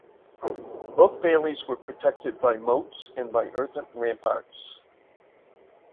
Both baileys were protected by moats and by earthen ramparts.